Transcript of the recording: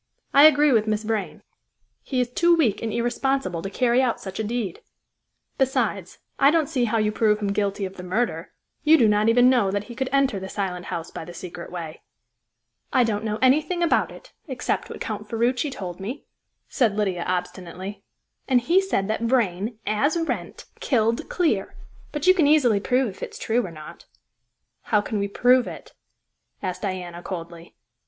"I agree with Miss Vrain; he is too weak and irresponsible to carry out such a deed. Besides, I don't see how you prove him guilty of the murder; you do not even know that he could enter the Silent House by the secret way." "I don't know anything about it, except what Count Ferruci told me," said Lydia obstinately. "And he said that Vrain, as Wrent, killed Clear. But you can easily prove if it's true or not." "How can we prove it?" asked Diana coldly.